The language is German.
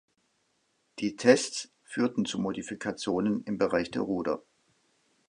Die Tests führten zu Modifikationen im Bereich der Ruder.